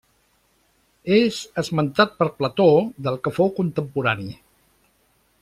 És esmentat per Plató del que fou contemporani.